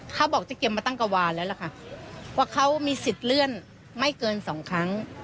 เขาบอกจะเก็บมาตั้งกระวานแล้วล่ะค่ะว่าเขามีสิทธิ์เลื่อนไม่เกินสองครั้ง